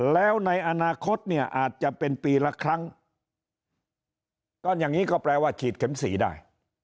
แล้วในอนาคตเนี่ยอาจจะเป็นปีละครั้งก็อย่างนี้ก็แปลว่าฉีดเข็มสี่ได้